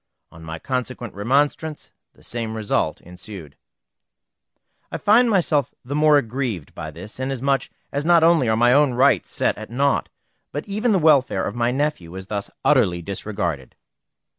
On my consequent remonstrance the same result ensued. I find myself the more aggrieved by this, inasmuch as not only are my own rights set at naught, but even the welfare of my nephew is thus utterly disregarded.